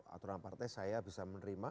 aturan partai saya bisa menerima